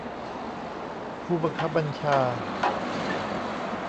ผู้บังคับบัญชา